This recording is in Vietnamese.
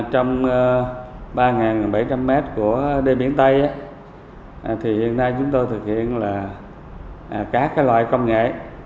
trong ba bảy trăm linh m của đê biển tây thì hiện nay chúng tôi thực hiện là các loại công nghệ